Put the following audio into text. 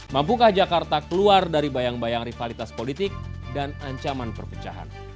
mampukah jakarta keluar dari bayang bayang rivalitas politik dan ancaman perpecahan